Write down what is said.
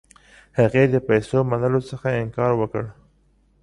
هغې د پیسو منلو څخه انکار وکړ.